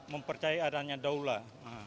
mempercayai adanya daulah